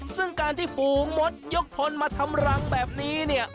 ซึ่งการที่ฝูงมดยกพลมาทำรังแบบนี้เนี่ย